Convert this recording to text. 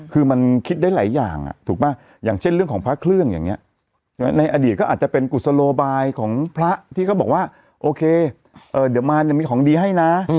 คือมันคิดได้หลายอย่างถูกป่ะอย่างเช่นเรื่องของพระเครื่องอย่างนี้ในอดีตก็อาจจะเป็นกุศโลบายของพระที่เขาบอกว่าโอเคเดี๋ยวมาเนี่ยมีของดีให้นะ